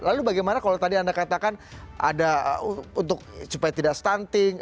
lalu bagaimana kalau tadi anda katakan ada untuk supaya tidak stunting